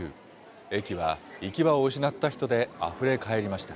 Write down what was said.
駅は行き場を失った人で、あふれかえりました。